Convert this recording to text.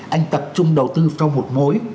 anh tập trung đầu tư cho một mối